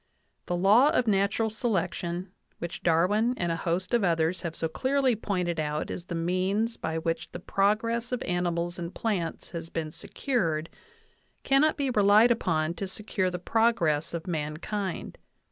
The law o f . natural selection, which Darwin and a host of others have so clearly pointed out as the means by which the progress of ani mals and plants has been secured; cannot be relied upon to secure the progress of mankind.